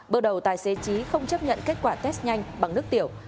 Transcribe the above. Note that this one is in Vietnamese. bước đầu tài xế trí không chấp nhận kết quả test nhanh bằng nước tiểu